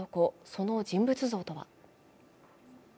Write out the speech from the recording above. その人物像とは。